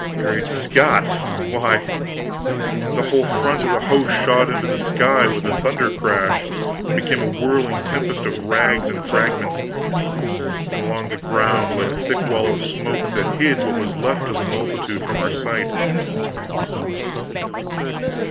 Great Scott! Why, the whole front of that host shot into the sky with a thunder crash, and became a whirling tempest of rags and fragments; and along the ground lay a thick wall of smoke that hid what was left of the multitude from our sight.